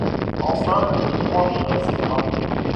Enfin te prendre dans ses bras.